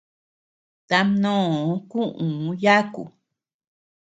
Tamnoo kuʼuu yáku.